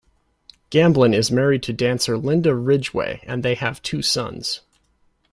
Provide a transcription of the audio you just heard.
Gamblin is married to dancer Linda Ridgway and they have two sons.